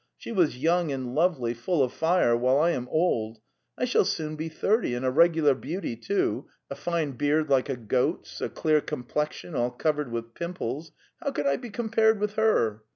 She was young and lovely, full of fire, while I am old: I shall soon be thirty, and a regular beauty, too; a fine beard like a goat's, a clear complexion all covered with pim ples — how could I be compared with her!